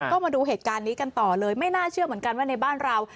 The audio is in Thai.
ก็มาดูเหตุการณ์นี้กันต่อเลยไม่น่าเชื่อเหมือนกันว่าในบ้านเรา